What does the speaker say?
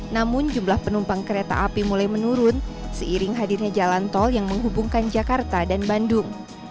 namun jumlah penumpang kereta api mulai menurun seiring hadirnya jalan tol yang menghubungkan jakarta dan bandung